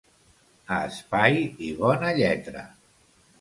A espai i bona lletra.